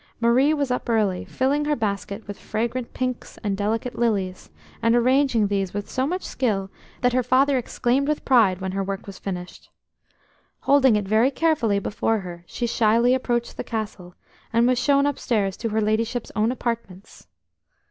Marie was up early, filling her basket with fragrant pinks and delicate lilies, and arranging these with so much skill that her father exclaimed with pride when her work was finished. Holding it very carefully before her, she shyly approached the Castle, and was shown upstairs to her ladyship's own apartments.